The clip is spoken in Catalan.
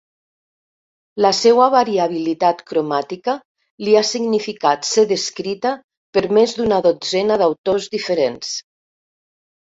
La seua variabilitat cromàtica li ha significat ser descrita per més d'una dotzena d'autors diferents.